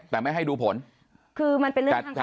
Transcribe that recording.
แต่ไม่ให้ดูผลคือมันเป็นเรื่องข้างทาง